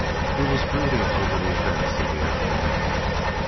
He was brooding over the events of the afternoon.